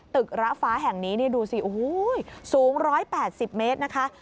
ตึกระฟ้าแห่งนี้นี่ดูสิโอ้โหสูงร้อยแปดสิบเมตรนะคะ